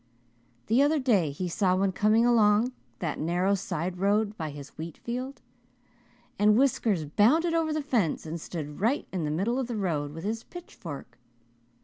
The other day he saw one coming along that narrow side road by his wheatfield, and Whiskers bounded over the fence and stood right in the middle of the road, with his pitchfork.